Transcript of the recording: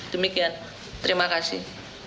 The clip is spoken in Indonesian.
demikian terima kasih